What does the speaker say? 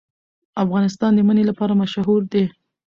افغانستان د منی لپاره مشهور دی.